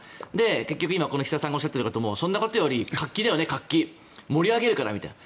結局岸田さんがおっしゃっていることも尾そんなことより活気だよね盛り上げるからみたいな。